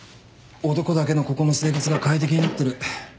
男だけのここの生活が快適になってる。